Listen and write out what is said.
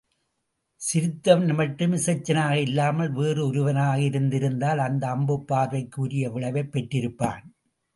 சிரித்தவன் மட்டும் இசைச்சனாக இல்லாமல் வேறொருவனாக இருந்திருந்தால் அந்த அம்புப் பார்வைக்கு உரிய விளைவைப் பெற்றிருப்பான்.